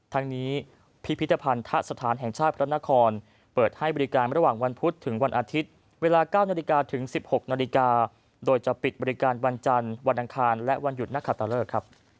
ทั้งนี้พิพิธภัณฑสถานแห่งชาติพระนครเปิดให้บริการระหว่างวันพุธถึงวันอาทิตย์เวลา๙นาฬิกาถึง๑๖นาฬิกาโดยจะปิดบริการวันจันทร์วันอังคารและวันหยุดนักขัตเลิกครับ